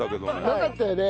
なかったよね？